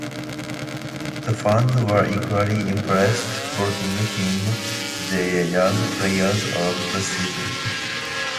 The fans were equally impressed, voting him their Young Player of the Season.